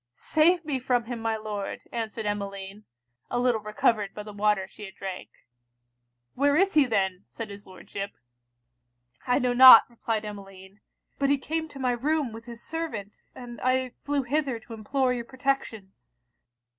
'Save me from him my Lord!' answered Emmeline, a little recovered by the water she had drank. 'Where is he then?' said his Lordship. 'I know not,' replied Emmeline; 'but he came to my room with his servant, and I flew hither to implore your protection.'